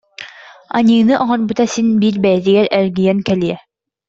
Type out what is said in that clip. Аньыыны оҥорбута син биир бэйэтигэр эргийэн кэлиэ